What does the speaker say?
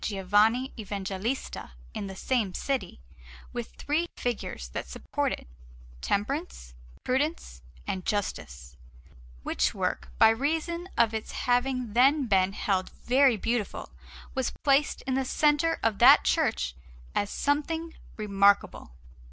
Giovanni Evangelista in the same city, with three figures that support it Temperance, Prudence, and Justice; which work, by reason of its having then been held very beautiful, was placed in the centre of that church as something remarkable.